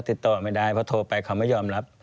ควิทยาลัยเชียร์สวัสดีครับ